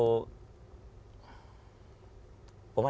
คือตอนเด็กเรา